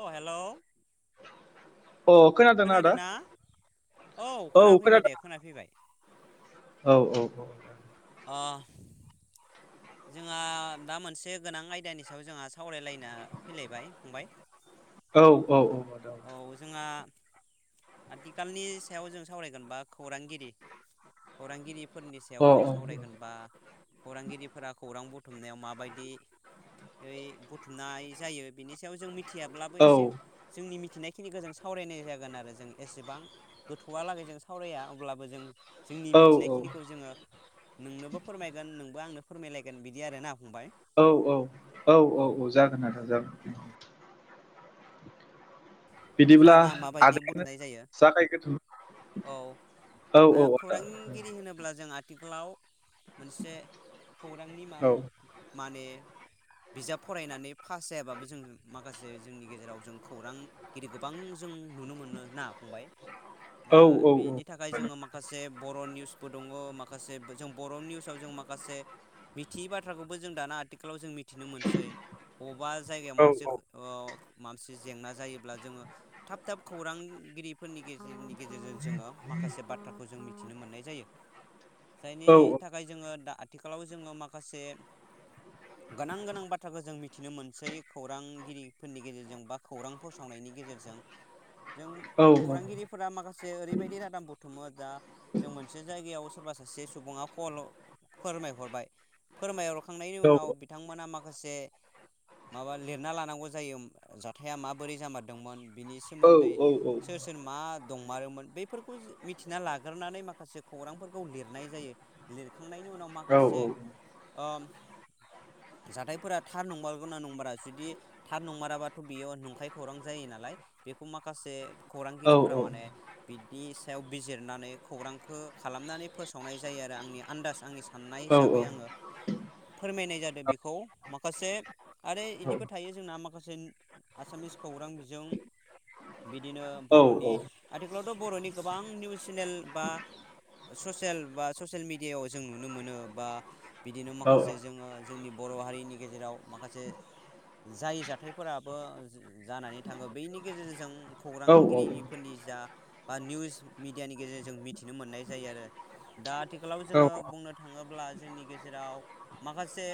अ हेल' अ खोनादोंना आदा खोनादो ना औ खोनाफैबाय खोनादों दे खोनाफैबाय। औ औ औ। अ जोंहा दा मोनसे गोनां आयदानि सायाव जोंहा सावरायलायना फैलायबाय फंबाय। औ औ जोंहा आथिखालनि सायाव जों सावरायगोनबा खौरांगिरि खौरांगिरि फोरनि सायाव औ जों सावरायगोन बा खौरांगिरिफोरा खौरां बुथुमनायाव माबायदि ओइ बुथुमनाय जायो बिनि सायाव जों मिथ मिथियाब्लाबो अ औ एसे जोंनि मि थिनाय खिनिखौ जों सावरायनाय जागोन आरो जों एसेबां गोथौआलागै जों सावराया अब्लाबो जों जोंनि औ मिथिनायखिनिखौ जोङो नोंनोबो फोरमायगोन नों बो आंनो फोरमायलायगोन बिदि आरो ना। औ औ औ औ औ जागोन आदा जागोन। बिदिब्ला जोंना माबायदि आदाय बुथुमनाय जायो औ जाखायग्रोदो औ औ आदा। थिखालाव मोनसे खौरांनि मा औ माने बिजाब फरायनानै पास जायाबाबो जों माखासे जोंनि गेजेराव जों खौरां गिरि गोबां जों नुनो मोनो दा औ बेनि थाखाय जोङो माखासे बर' निउस बो दङ माखासे जों बर' निउसाव जों माखासे मिथियै बाथ्राखौबो जों दाना आथिखालाव जों मि थिनो मोनसै बबेबा जायगायाव औ माबा मोनसे औ ओ माबा मोनसे जेंना जायो खौरांगिरि फोरनि गेजेरनि गेजेरजों जोङो माखासे बाथ्राखौ जों मि मिथिनो मोननाय जायो। औ जायनि थाखाय जोङो दा आथिखालाव जोङो माखासे गोनां गोनां बाथ्राखौ जों मिथिनो मोनसै खौरांगिरिफोरनि गेजेरजों बा खौरां फोसावनायनि गेजेरजों जों औ खौरांगिरिफोरा माखासे ओरैबायदि रादाम बुथुमो दा जों मोनसे जायगायाव सोरबा सासे सुबुङा कलाव फोरमायहरबाय फोरमाय खांनायनि उनाव बिथांमोना मा माखासे माबा लिरना लानांगौ जायो जाथाया मा बोरै जामारदोंमोन बिनि सोमोन्दै सोर सोर मा दंमारोमोन बेफोरखौ मिथिना लाग्रोनानै माखासे खौरांफोरखौ लिरनाय जायो। खांनायनि उनाव माखासे ओ जाथायफोरा थार नंमारगौ ना नंमारा जुदि थार नंमाराबाथ' बेयो नंखाय खौरां जायो नालाय बेखौ माखासे खौरांगिरिफोरा माने बिदि सायाव बिजिरनानै खौरांखौ खालामनानै फोसावनाय जायो आरो आंनि आन्दाज आंनि सा साननाय हिसाबै आङो फोरमायनाय जादों। आरो बेखौ माखासे आरो बिदिबो थायो जोंना माखासे आसामिस खौरां बिजों बिदिनो बर'नि आथिखालावथ' बर'नि गोबां निउस चेनेल बा ससियेल बा ससियेल मिडियायावव जों नुनो मोनो बा बिदिनो माखासे जोङो जोंनि बर' हारिनि गेजेराव माखासे जाय जाथायफोराबो जानानै थाङो बेनि गेजेरजों खौरांगिरिफोरनि जा बा निउस मिडियानि गेजेरजों मिथिनो मोननाय जायो आरो दा आथिखालाव जोङो बुंनो थाङो ब्ला जोंनि गेजेराव माखासे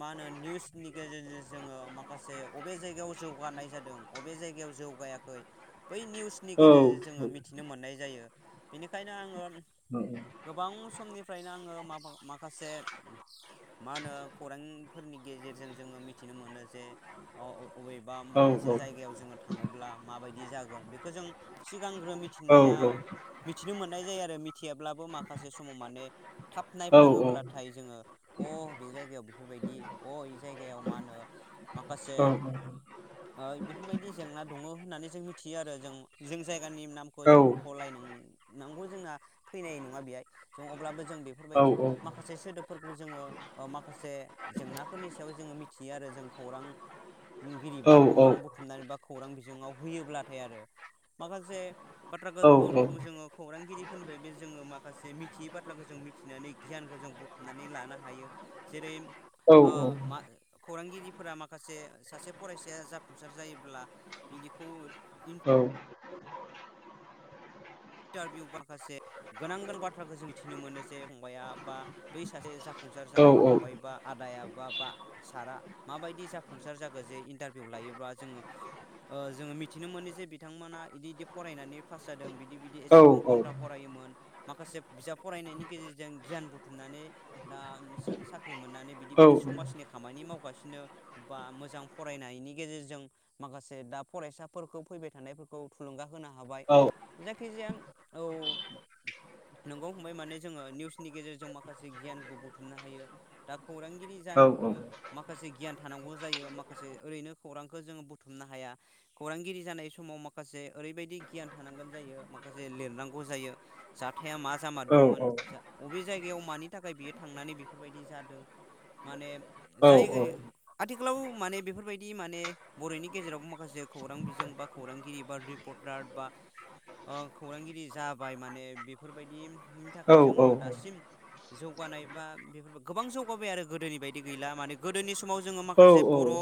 मा होनो निउसनि गेजेरजों जोङो माखासे बबे जायगायाव जौ गानाय जादों अबे जायगायाव जौगायाखै बै निउसनि गेजेरजों जोङो मिथिनो मोननाय जायो बेनिखायनो आङो गोबां समनिफ्रायनो आङो मा-माखासे मा होनो खौरांफोरनि गेजेरजों जोङो मिथिनो मोनो जे अ-अबे बा माबा मोनसे जायगायाव जोङो थाङोब्ला माबायदि जागोन बेखौ जों सिगांग्रो मिथिनाया मिथिनो मोननाय जायो आरो मिथियाब्लाबो माखासे समाव माने थाब औ औ नायफ्लाङोब्लाथाय जोङो अ बे जायगायाव बेफोरबायदि अ बे जायगायाव मा होनो औ माखासे बेफोरबायदि जेंना दङ होननानै जों मिथियो आरो जों जों जायगानि नामखौ जों औ मख'लायनांगौ जोंना फैनाय नङा बेहाय जों अब्लाबो जों बेफोरबायदि माखासे सोदोबफोरखौ जोङो माखासे जेंनाफोरनि सायाव जोङो मिथियो आरो जों खौरांगिरि बा खौरां बुथुमनानै बा खौरां बिजोङाव होयोब्लाथाय आरो माखासे बाथ्राफोरखौ जोङो खौरांगिरिफोरनिफ्रायबो जोङो माखासे मिथियै बाथ्राखौ जों मिथिनानै गियानखौ जों बुथुमनानै लानो हायो जेरै आ मा खौरांगिरिफोरा माखासे सासे फरायसा या जाफुंसार जायोब्ला बिनिखौ इन्टारभिउ माखासे गोनां गोन बाथ्राखौ जों मिथिनो मोनो जे फंबायआ बा बै सासे जाफुंसार जानाय फंबाय बा आदाया बा बा सारा माबायदि जाफुंसार जाखो जे इन्टारभिउ लायोब्ला जोङो जोङो मिथिनो मोनो जे बिथांमोना इदि इदि फरायनानै पास जादों बिदि बिदि बिदि एसेबां घन्टा फरायोमोन माखासे बिजाब फरायनायनि गेजेरजों गियान बुथुमनानै दा साख्रि मोननानै बिदि बिदि समाजनि खामानि मावगासिनो बा मोजां फरायनायनि गेजेरजों माखासे दा फरायसाफोरखौ फैबाय थानायफोरखौ थुलुंगा होनो हाबाय जायखि खिजाया औ नंगौ फंबाय माने जोङो निउसनि गेजेरजों माखासे गियानबो बुथुमनो हायो दा खौरांगिरि औ जानोबो माखासे गियान थानांगौ जायो माखासे ओरैनो खौरांखौ जोङो बुथुमनो हाया खौरांगिरि जानाय समाव माखासे ओरैबायदि गियान थानांगोन जायो माखासे लिरनांगौ जायो जाथाया मा जामारदोंमोन अबे जायगायाव मानि थाखाय बियो थांनानै बेफोरबायदि जादों माने जायगा आथिखालाव माने बेफोरबायदि माने बर'नि गेजेराव माखासे खौरां बिजों बा खौरांगिरि बा रिपर्टार बा ओ खौरांगिरि जाबाय माने बेफोरबायदिनि थाखाय जोङो दासिम जौगानाय बा बेफोर गोबां जौगाबाय आरो गोदोनि बायदि गैला माने गोदोनि सम समाव जोङो माखासे बर'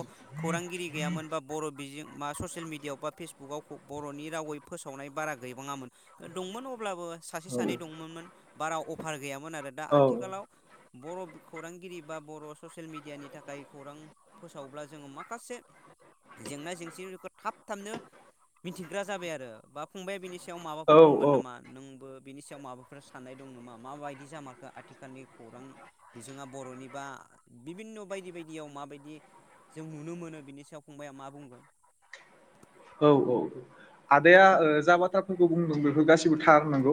खौरांगिरि गैयामोनबा बर बिजों मा ससियेल मिडियाआव बा फेसबुकाव बर'नि रावै फोसावनाय बारा गै गैबाङामोन दंमोन अब्लाबो सासे सानै दंमोनमोन बारा अभार गैयामोन आरो दा आथिखालाव बर' खौरांगिरि बा बर' ससियेल मिडियानि थाखाय खौरां फोसावब्ला जोङो माखासे जेंना जेंसिखौ थाब थाबनो मिथिग्रा जाबाय आरो बा फंबाय बिनि बेनि सायाव औ माबाफोर औ बुंगोन नामा नोंबो बिनि सायाव माबाफोर साननाय दं नामा माबायदि जामारखो आथिखालनि खौरां बिजोङा बरनि बा बिभिन्न बायदि बायदियाव माबायदि जों नुनो मोनो बिनि सायाव फंबाया मा बुंगोन? औ औ औ आदाया जाबाथ्राफोरखौ बुंदों बेफोर गासिबो थार नोंगौ।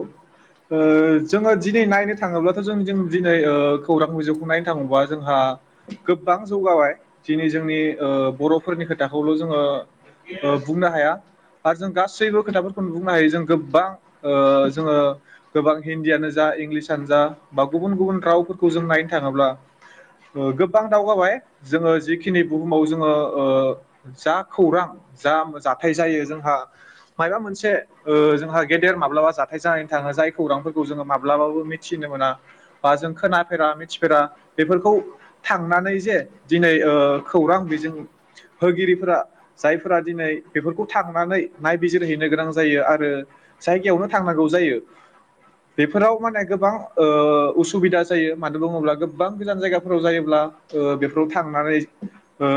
ओ औ जोङो दिनै नायनो थाङोब्लाथ' जों जों दिनै खौरां बिखौ नायनो थाङोबा जोंहा गोबां जौगाबाय दिनै जोंनि ओ बर'फोरनि खोथाखौल' जोङो ओ बुंनो हाया आरो जों गासैबो खोथाफोरखौनो बुंनो हायो जों गोबां ओ जोङो गोबां हिन्दियानो जा इंलिसानो जा बा गुबुन गुबुन रावफोरखौ जों नायनो थाङोब्ला ओ गोबां दावगाबाय जोङो जिखिनि बुहुमाव जोङो ओ जा खौरां जा जाथाय जायो जोंहा मायबा मोनसे ओ जोंहा गेदेर माब्लाबा जाथाय जानानै थाङो जाय खौरांफोरखौ जोङो माब्लाबाबो मिथिनो मोना बा जों खोनाफेरा मिथिफेरा बेफोरखौ थांनानै जे दिनै ओ खौरां बिजों होगिरिफोरा जायफोरा दिनै बेफोरखौ थांनानै नायबिजिरहैनो गोनां जायो आरो जायगायावनो थांनांगौ जायो बेफोराव माने गोबां ओ उसुबिदा जायो मानो बुङोब्ला गोबां गोजान जायगाफोराव जायोब्ला ओ बेफोराव थांनानै ओ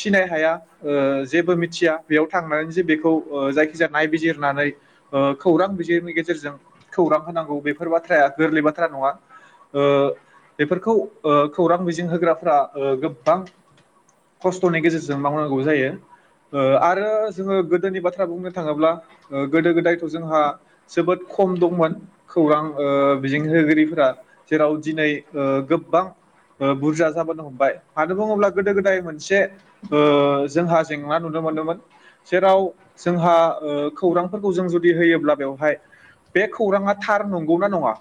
सिनाय हाया ओ जेबो मिथिया। बेयाव थांनानै जे बेखौ ओ जायखिजाया नायबिजिरनानै ओ खौरां बिजोंनि गेजेरजों खौरां होनांगौ बेफोर बाथ्राया गोरलै बाथ्रा नङा ओ बेफोरखौ ओ खौरां बिजों होग्राफ्रा ओ गोबां खस्थनि गेजेरजों मावनांगौ जायो ओ आरो जोङो गोदोनि बाथ्रा बुंनो थाङोब्ला ओ गोदो गोदायथ' जोंहा जोबोद खम दंमोन खौरां ओ बिजों होगिरिफोरा जेराव दिनै ओ गोबां ओ बुरजा जाबोनो हमबाय मानो बुङोब्ला गोदो गोदाय मोनसे ओ जोंहा जेंना नुनो मोनोमोन जेराव जोंहा ओ खौरांफोरखौ जों जुदि होयोब्ला बेवहाय बे खौराङा थार नंगौना नङा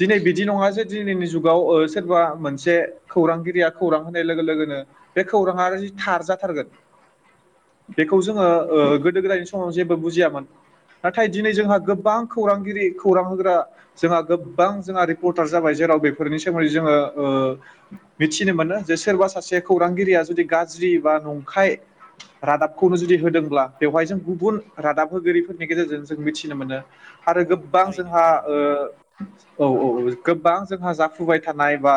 दिनै बिदि नङा जे दिनैनि जुगाव ओ सोरबा मोनसे खौरांगिरिया खौरां होनाय लोगो लोगोनो बे खौराङा थार जाथारगोन। बेखौ जोंङो औ औ गोदो गोदायनि समाव जेबो बुजियामोन। नाथाय दिनै जोंहा गोबां खौरांगिरि खौरां होग्रा जोंहा गोबां जोंहा रिपर्टार जाबाय जेराव बेफोरनि सोमोन्दै जोङो ओ मिथिनो मोनो जे सोरबा सासे खौरांगिरिया जुदि गाज्रि बा नंखाय रादाबखौनो जुदि होदोंब्ला बेवहाय जों गुबुन रादाब होगिरिफोरनि गेजेरजों जों मिथिनो मोनो। आरो औ गोबां थारैनो जोंहा थारैनो ओ औ औ औ गोबां जोंहा जाफुबाय थानाय बा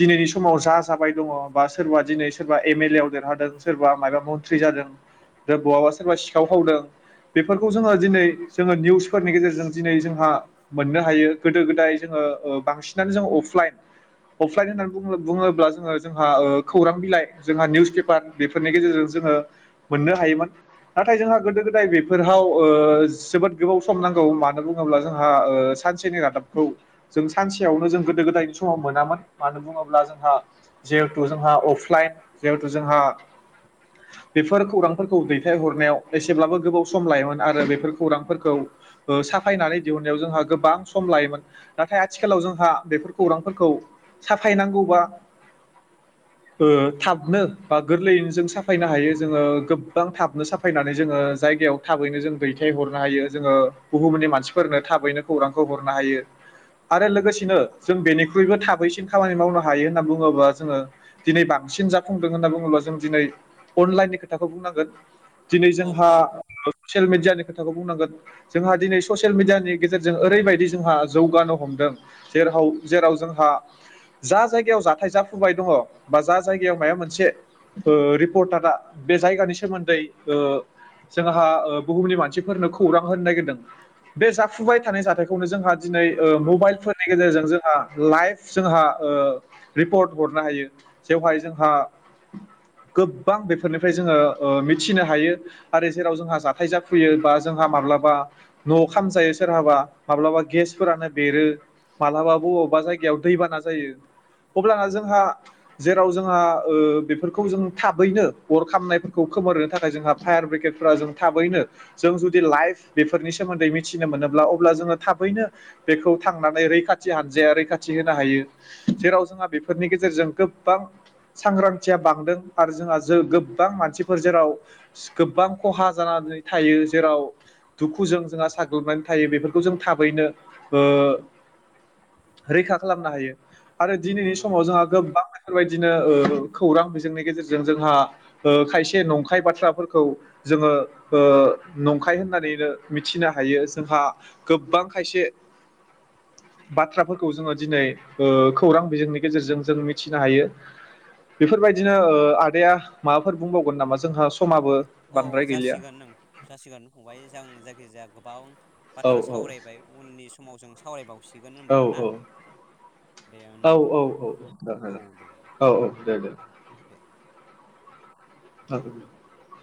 दिनैनि समाव जा जाबाय दङ बा सोरबा दिनै सोरबा एम एल ए आव देरहादों सोरबा माबा मन्थ्रि जादों दा बहाबा सोरबा सिखाव खावदों बेफोरखौ जोङो दिनै जोङो निउसफोरनि गेजेरजों दिनै जोंहा मोननो हायो गोदो गोदाय जोङो ओ बांसिनानो जों अफलाइन अफलाइन होननानै बुङोब्ला जोङो जोंहा ओ खौरां बिलाइ जोंहा निउस पेपार बेफोरनि गेजेरजों जोङो मोननो हायोमोन नाथाय जोंहा गोदो गोदाय बेफोराव ओ जोबोद गोबाव सम नांगौ मानो बुङोब्ला जोंहा ओ सानसेनि रादाबखौ जों सानसेयावनो जों गोदो गोदायनि समाव मोनामोन मानो बुङोब्ला जोंहा जिहेथु जोंहा अफलाइन जिहेथु जोंहा बेफोर खौरांफोरखौ दैथायहरनायाव एसेब्लाबो गोबाव सम लायोमोन आरो बेफोर खौरांफोरखौ ओ साफायनानै दिहुननायाव जोंहा गोबां सम लायोमोन नाथाय आथिखालाव जोंहा बेफोर खौरांफोरखौ साफायनांगौबा ओ थाबनो बा गोरलैजों साफाय साफायनो हायो जोङो गोबां थाबनो साफायनानै जोङो जायगायाव थाबैनो जों दैथाय हरनो हायो जोङो बुहुमनि मानसिफोरनो थाबैनो खौरांखौ हरनो हायो आरो लोगोसे जों बेनिख्रुयबो थाबैसिन खामानि मावनो हायो होनना बुङोबा जोङो दिनै बांसिन जाफुंदों होनना बुङोब्ला जों दिनै अनलाइननि खोथाखौ बुंनांगोन दिनै औ जोंहा औ ससियेल मिडियानि खोथखौ बुंनांगोन जोंहा दिनै ससियेल मिडियानि गेजेरजों ओरैबायदि जोंहा जौगानो हमदों जेर जेराव जोंहा जा जायगायाव जाथाय जाफुबाय दङ बा जा जायगायाव माबा मोनसे रपर्टारा बे जायगानि सोमोन्दै जोंहा बुहुमनि मानसिफोरनो खौरां होनो नागिरदों बे जाफुबाय थानाय जाथायखौनो जोंहा दिनै मबाइलफोरनि गेजेरजों जोंहा लाइभ जोंहा रिपर्ट हरनो हायो बेवहाय जोंहा गोबां बेफोरनिफ्राय जोंङो मिथिनो हायो आरो जेराव जोंहा जाथाय जाफुयो बा जोंहा माब्लाबा नआव खामजायो सोरहाबा माब्लाबा गेसफोरानो बेरो माब्लाबा बबावबा जायगायाव दैबाना जायो अब्लाना जोंहा जेराव जोंहा बेफोरखौ जों थाबैनो अर खामनायफोरखौ खोमोरो थाखाय जोंहा फायार ब्रिगेडफोरा जों थाबैनो जों जुदि लाइफ बेफोरनि सोमोन्दै मिथिनो मोनोब्ला अब्ला जोंङो थाबैनो बेखौ थांनानै रैखाथि हानजाया रैखाथि होनो हायो जेराव जोंहा बेफोरनि गेजेरजों गोबां सांग्रांथिया बांदों आरो जोंहा गोबां मानसिफोर जेराव गोबां खहा जानानै थायो जेराव दुखुजों जोंहा साग्लोबनानै थायो बेफोरखौ जों थाबैनो रैखा खालामनो हायो। आरो दिनैनि नंगौ समाव नंगौ जोंहा गोबां बेफोरबायदि बिदिनो खौरां बिजोंनि गेजेरजों जों जोंहा खायसे नंखाय बाथ्राफोरखौ जोंङो नंखाय होननानैनो मिथिनो हायो जोंहा गोबां खायसे बाथ्राफोरखौ जोंङो दिनै खौरां बिजोंनि गेजेरजों जों मिथिनो हायो बेफोरबायदिनो आदाया माबाफोर बुंबावगोन नामा जोंहा समाबो औ बांद्राय गैलिया जासिगोन जासिगोन फंबाय जों जायखिजाया गोबां औ बाथ्रा औ सावरायबाय उननि समाव जों सावरायबावसै औ औ दे औ औ होनब्ला औ औ औ दे दे औ औ दे दे दे ह